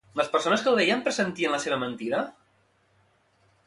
Les persones que el veien pressentien la seva mentida?